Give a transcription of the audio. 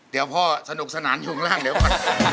เดี๋ยวพ่อสนุกสนานอยู่ข้างล่าง